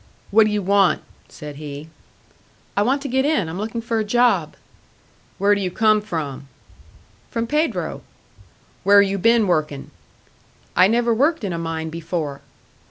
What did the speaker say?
"What do you want?" said he. "I want to get in. I'm looking for a job." "Where do you come from?" "From Pedro." "Where you been working?" "I never worked in a mine before."